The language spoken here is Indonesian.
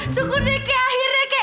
syukur deh kakek akhirnya kakek